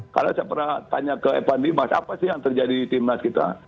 karena saya pernah tanya ke evan dimas apa sih yang terjadi di timnas kita